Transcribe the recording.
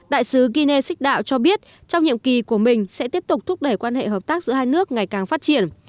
đại sứ guinea six đạo cho biết trong nhiệm kỳ của mình sẽ tiếp tục thúc đẩy quan hệ hợp tác giữa hai nước ngày càng phát triển